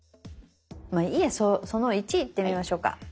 まあいいや「その１」いってみましょうか。